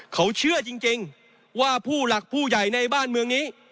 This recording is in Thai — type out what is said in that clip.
เขาเชื่อจริงว่าผู้หลักผู้ใหญ่ในบ้านเมืองนี้